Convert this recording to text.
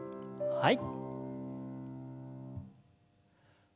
はい。